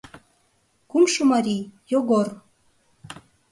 Кумшо марий — Йогор.